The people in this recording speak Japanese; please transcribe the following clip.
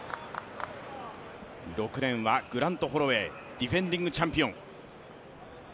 ６レーンはグラント・ホロウェイ、ディフェンディングチャンピオン。